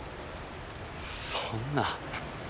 そんな。